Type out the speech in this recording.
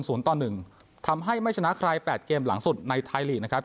ต่อหนึ่งทำให้ไม่ชนะใครแปดเกมหลังสุดในไทยลีกนะครับ